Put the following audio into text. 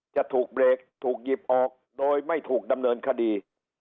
จะถูกเบรกถูกหยิบออกโดยไม่ถูกดำเนินคดี